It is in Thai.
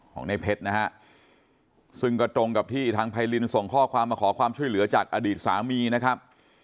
ของในเพชรนะฮะซึ่งก็ตรงกับที่ทางไพรินส่งข้อความมาขอความช่วยเหลือจากอดีตสามีนะครับ